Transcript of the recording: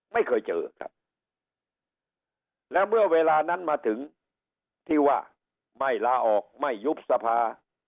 ไม่เคยเจอครับแล้วเมื่อเวลานั้นมาถึงที่ว่าไม่ลาออกไม่ยุบสภา